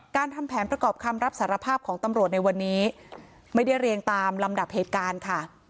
ทำแผนประกอบคำรับสารภาพของตำรวจในวันนี้ไม่ได้เรียงตามลำดับเหตุการณ์ค่ะ